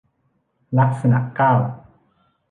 ลักษณะเก้า